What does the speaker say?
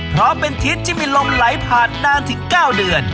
เพราะเป็นทิศที่มีลมไหลผ่านนานถึง๙เดือน